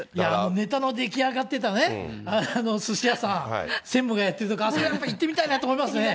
ネタの出来上がってたね、すし屋さん、専務がやってるとこ、あそこ、行ってみたいなと思いますね。